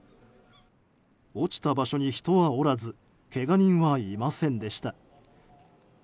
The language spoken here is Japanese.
落ちた場所に人はおらずけが人はいませんでした。